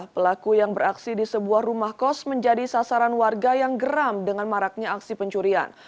pelaku yang beraksi di sebuah rumah kos menjadi sasaran warga yang geram dengan maraknya aksi pencurian